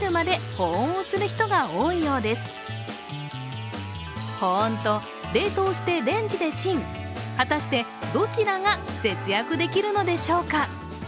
保温と冷凍してレンジでチン、果たして、どちらが節約できるのでしょうか。